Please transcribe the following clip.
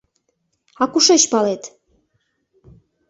— А кушеч палет?